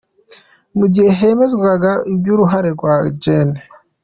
Mu gihe hemezwaga iby’uruhare rwa Gen.